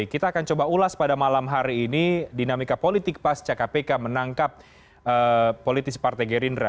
kita akan coba ulas pada malam hari ini dinamika politik pasca kpk menangkap politis partai gerindra